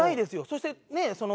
そしてねっ。